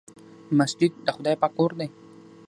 مسجد د خدای پاک کور دی.